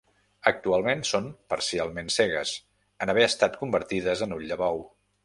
Actualment són parcialment cegues, en haver estat convertides en ull de bou.